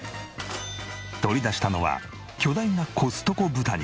取り出したのは巨大なコストコ豚肉。